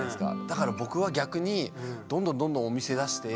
だから僕は逆にどんどんどんどんお店出して。